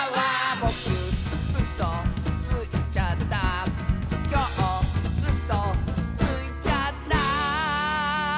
「ぼくうそついちゃった」「きょううそついちゃった」